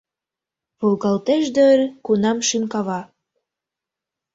Волгалтеш дыр кунам шӱм кава.